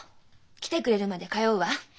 来てくれるまで通うわ。